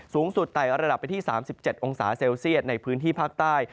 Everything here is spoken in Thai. สูงสุดไต่ระดับไปที่๓๗องศาเซลเซียตในพื้นที่ภาคใต้